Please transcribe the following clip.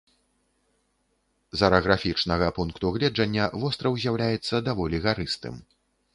З араграфічнага пункту гледжання, востраў з'яўляецца даволі гарыстым.